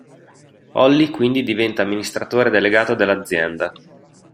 Holly quindi diventa amministratore delegato dell'azienda.